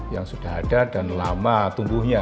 yang sudah ada dan lama tumbuhnya